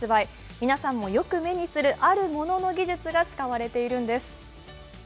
皆さんもよく目にする、あるものの技術が使われているんです。